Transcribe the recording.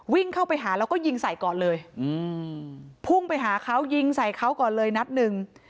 วิ่งเข้าไปหาแล้วก็ยิงใส่ก่อนเลยพุ่งไปหาเขายิงใส่เขาก่อนเลยนัดหนึ่ง